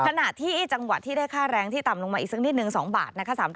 ขณะที่จังหวัดที่ได้ค่าแรงที่ต่ำลงมาอีกสักนิดนึง๒บาทนะคะ